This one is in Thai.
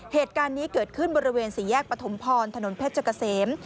เหตุการณ์นี้เกิดขึ้นบริเวณสี่แยกปฐมพรถนนเพชรเกษม